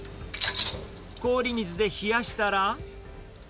氷水で冷やしたら。